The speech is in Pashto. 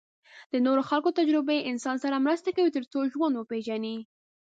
د نورو خلکو تجربې انسان سره مرسته کوي تر څو ژوند وپېژني.